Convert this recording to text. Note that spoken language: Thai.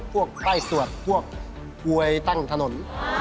ใกล้สวดพวกพวยตั้งถนน